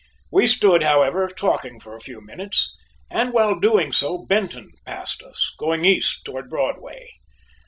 We stood, however, talking for a few minutes, and while doing so Benton passed us, going east toward Broadway.